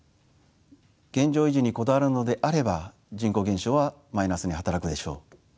現状維持にこだわるのであれば人口減少はマイナスに働くでしょう。